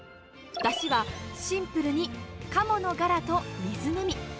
だしはシンプルにカモのガラと水のみ。